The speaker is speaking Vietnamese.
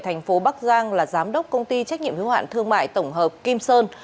thành phố bắc giang là giám đốc công ty trách nhiệm hiếu hạn thương mại tổng hợp kim sơn